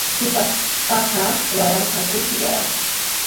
Yupaspaqa waranqa kuti waranqa.